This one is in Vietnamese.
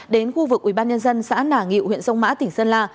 đến khu vực ubnd xã nà nghị huyện sông mã tỉnh sơn la